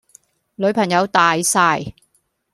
女朋友大曬